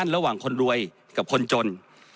ก่อนเดียวกับคนรวยกับคนจน